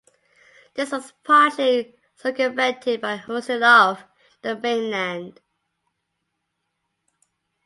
This was partially circumvented by hosting it off the mainland.